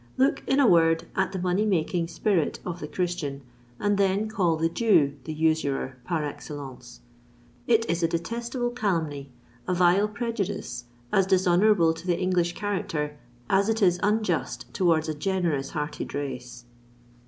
—look, in a word, at the money making spirit of the Christian, and then call the Jew the usurer par excellence! It is a detestable calumny—a vile prejudice, as dishonourable to the English character an it is unjust towards a generous hearted race!